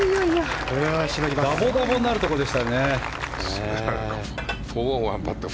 ダボダボになるところでしたね。